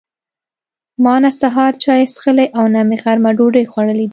ما نه سهار چای څښلي او نه مې غرمه ډوډۍ خوړلې ده.